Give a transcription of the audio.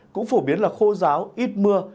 cũng phổ biến là khô giáo ít mưa